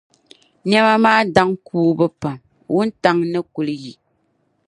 Niɛma maa daŋ kuubu pam, wuntaŋ ni kuli yi.